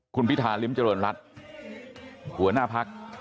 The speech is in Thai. คุณพิธาริมเจริญรัฐหัวหน้าพัก